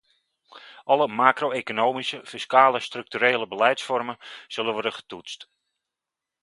Alle macro-economische, fiscale, structurele beleidsvormen zullen worden getoetst.